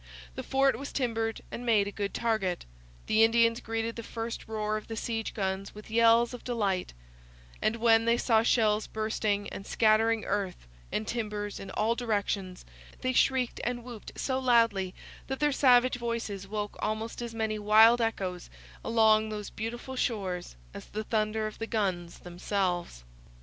The fort was timbered and made a good target. The Indians greeted the first roar of the siege guns with yells of delight; and when they saw shells bursting and scattering earth and timbers in all directions they shrieked and whooped so loudly that their savage voices woke almost as many wild echoes along those beautiful shores as the thunder of the guns themselves.